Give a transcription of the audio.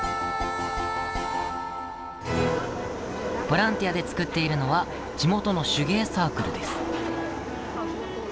ボランティアで作っているのは地元の手芸サークルです。